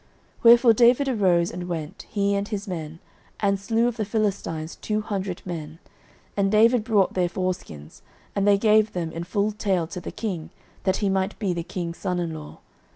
09:018:027 Wherefore David arose and went, he and his men, and slew of the Philistines two hundred men; and David brought their foreskins, and they gave them in full tale to the king, that he might be the king's son in law.